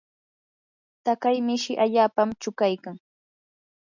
taqay mishi allaapam chuqaykan.